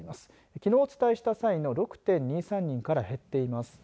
きのうお伝えした際の６．２３人から減っています。